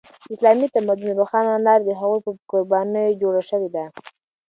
د اسلامي تمدن روښانه لاره د هغوی په قربانیو جوړه شوې ده.